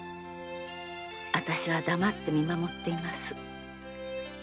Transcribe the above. あたしは黙って見守っています。